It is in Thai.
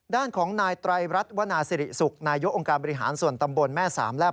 ด้านของนายไตรรัฐวนาสิริสุขนายกองค์การบริหารส่วนตำบลแม่สามและ